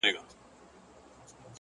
هوښیار انتخاب وخت سپموي.!